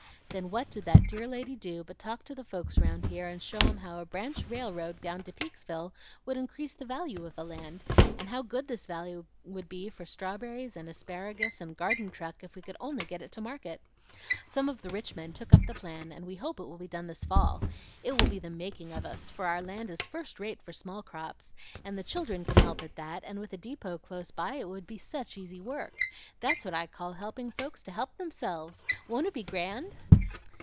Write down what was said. Then what did that dear lady do but talk to the folks round here, and show 'em how a branch railroad down to Peeksville would increase the value of the land, and how good this valley would be for strawberries and asparagus and garden truck if we could only get it to market. Some of the rich men took up the plan, and we hope it will be done this fall. It will be the making of us, for our land is first rate for small crops, and the children can help at that, and with a deepot close by it would be such easy work. That's what I call helping folks to help themselves. Won't it be grand?"